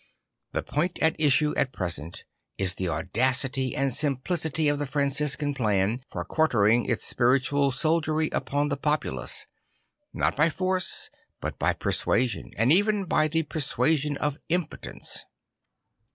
The point at issue at present is the audacity and simplicity of the Franciscan plan for quartering its spiritual soldiery upon the population; not by force but by persuasion, and even by the persuasion of impotence.